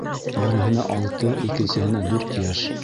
Береһенә алты, икенсеһенә дүрт йәш.